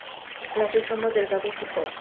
Los rizomas delgados y cortos.